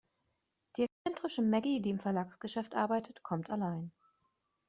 Die exzentrische Maggie, die im Verlagsgeschäft arbeitet, kommt allein.